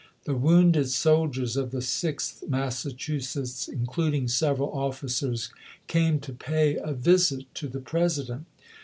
The wounded soldiers of the Sixth Massachusetts, including several officers, came to pay a visit to the President.